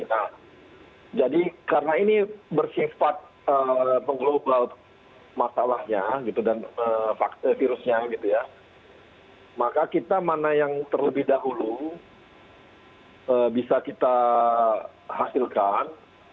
nah jadi karena ini bersifat menggloblout masalahnya gitu dan virusnya gitu ya maka kita mana yang terlebih dahulu bisa kita hasilkan